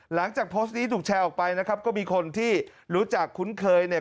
หลังจากโพสต์นี้ถูกแชร์ออกไปนะครับก็มีคนที่รู้จักคุ้นเคยเนี่ย